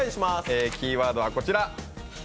キーワードはこちら！